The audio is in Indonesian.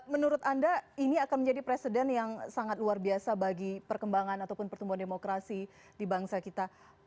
menurut anda ini akan menjadi presiden yang sangat luar biasa bagi perkembangan ataupun pertumbuhan demokrasi di bangsa kita